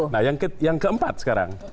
nah yang keempat sekarang